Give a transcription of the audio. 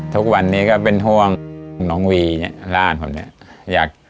ทุกวันนี้ก็เป็นห่วงน้องวีเนี่ยร่านผมเนี่ยอยาก